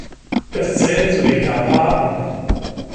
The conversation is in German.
Es zählt zu den Karpaten.